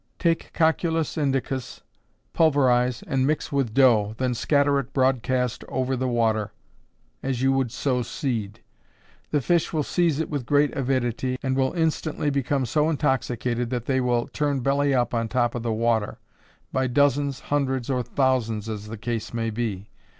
_ Take Cocculus Indicus, pulverize and mix with dough, then scatter it broadcast over the water, as you would sow seed. The fish will seize it with great avidity, and will instantly become so intoxicated that they will turn belly up on top of the water, by dozens, hundreds, or thousands, as the case may be.